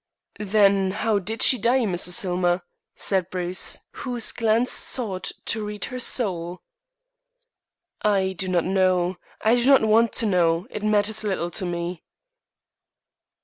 "Then how did she die, Mrs. Hillmer?" said Bruce, whose glance sought to read her soul. "I do not know. I do not want to know. It matters little to me."